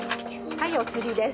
はいお釣りです。